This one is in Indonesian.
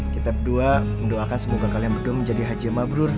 kita berdua mendoakan semoga kalian berdua menjadi haji mabrur